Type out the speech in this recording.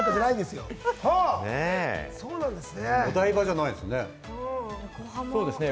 お台場じゃないんですね。